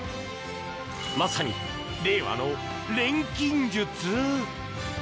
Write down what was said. まさに、令和の錬金術？